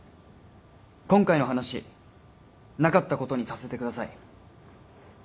今回の話なかったことにさせてください。